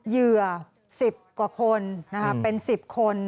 เหยื่อ๑๐กว่าคนเป็น๑๐คน